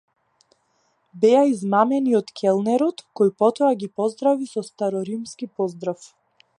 Беа измамени од келнерот, кој потоа ги поздрави со староримски поздрав.